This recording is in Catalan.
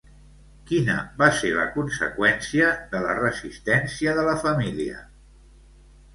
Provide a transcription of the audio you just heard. Quina va ser la conseqüència de la resistència de la família?